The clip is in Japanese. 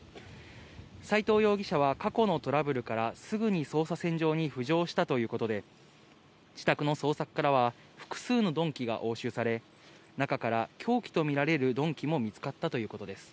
斎藤容疑者は過去のトラブルから、すぐに捜査線上に浮上したということで、自宅の捜索からは、複数の鈍器が押収され、中から凶器と見られる鈍器も見つかったということです。